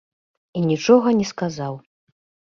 І нічога не сказаў.